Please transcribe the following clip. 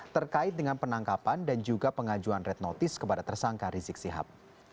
terkait dengan penangkapan dan juga pengajuan red notice kepada tersangka rizik sihab